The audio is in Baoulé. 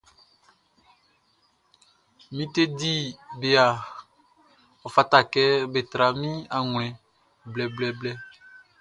Min teddy bearʼn, ɔ fata kɛ be tra min awlɛn blɛblɛblɛ.